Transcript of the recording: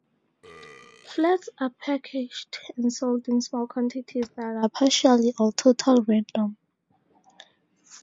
Flats are packaged and sold in small quantities that are partially or totally random.